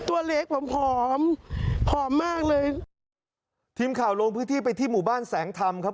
ตัวเล็กผอมผอมผอมมากเลยทีมข่าวลงพื้นที่ไปที่หมู่บ้านแสงธรรมครับ